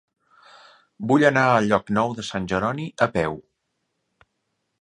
Vull anar a Llocnou de Sant Jeroni a peu.